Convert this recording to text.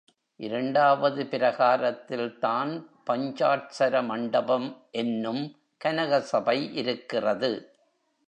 இரண்டாவது பிரகாரத்தில்தான் பஞ்சாட்சர மண்டபம் என்னும் கனகசபை இருக்கிறது.